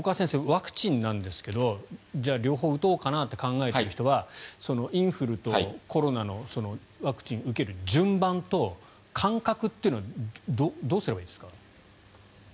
ワクチンなんですが両方打とうかなと考えている人はインフルとコロナのワクチンを受ける順番と間隔というのはどうすればいいですか？